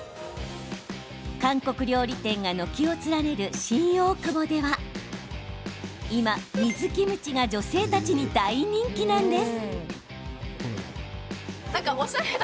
韓国料理店が軒を連ねる新大久保では今、水キムチが女性たちに大人気なんです。